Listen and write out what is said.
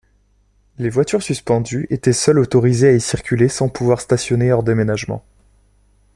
Les voitures suspendues étaient seules autorisées à y circuler sans pouvoir stationner hors déménagement.